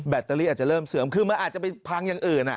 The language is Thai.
ตเตอรี่อาจจะเริ่มเสื่อมคือมันอาจจะไปพังอย่างอื่น